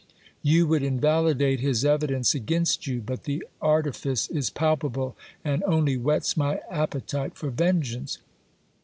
You would invalidate his evidence against you ; but the artifice is palpable, and only whets my appetite for vengeance.